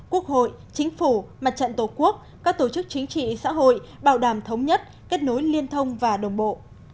quốc hội chính phủ mặt trận tổ quốc các tổ chức chính trị xã hội bảo đảm thống nhất kết nối liên thông và đồng bộ